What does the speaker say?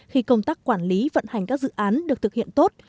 khi công tác quản lý vận hành các dự án được thực hiện tốt